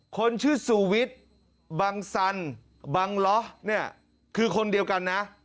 คนชื่อสูวิทย์บังสันบังล้อเนี่ยคือคนเดียวกันนะ